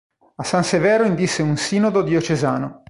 A San Severo indisse un sinodo diocesano.